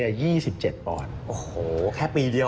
โอ้โฮแค่ปีเดียว